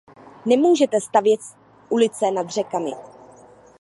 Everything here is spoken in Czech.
Nemůžete stavět ulice nad řekami.